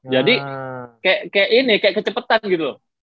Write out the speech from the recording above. jadi kayak ini kayak kecepetan gitu loh